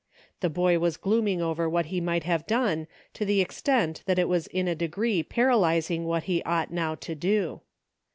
The boy was glooming over what he might have done, to the extent that it was in a degree paralyzing what he ought now to do.